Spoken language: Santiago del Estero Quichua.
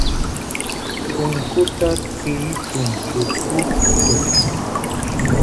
punkuta tiypun suk utku